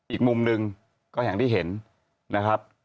อีกมุมหนึ่งก็อย่างที่เห็นนะครับ